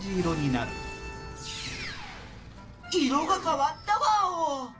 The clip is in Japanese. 色がかわったワオ！